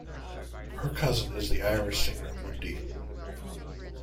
Her cousin is the Irish singer Mundy.